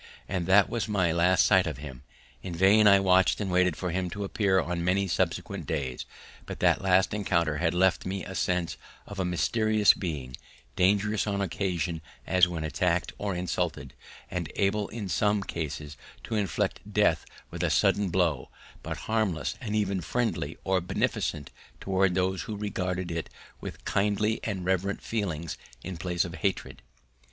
And that was my last sight of him; in vain I watched and waited for him to appear on many subsequent days: but that last encounter had left in me a sense of a mysterious being, dangerous on occasion as when attacked or insulted, and able in some cases to inflict death with a sudden blow, but harmless and even friendly or beneficent towards those who regarded it with kindly and reverent feelings in place of hatred.